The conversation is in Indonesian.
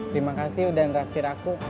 terima kasih udah interaktif aku